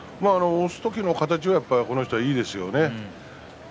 押す時の形がこの人はいいですね。